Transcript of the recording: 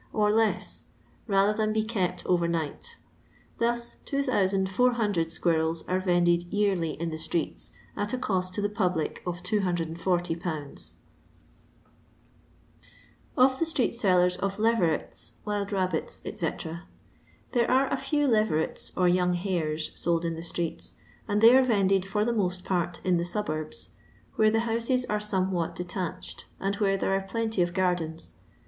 or less, rather than be kept over night Thus 2400 squirrels are vended yearly in the streets, at a cost to the public of 240/. Or THE Stkebt Sellsbs or LsYSBm, Wild Babbits, eto. Thbrb are a few leverets, or young hares, told in the streett, and they are vended for the mott part in the tuburbs, where the houses are somewhat detached, and where there are plenty of gardens.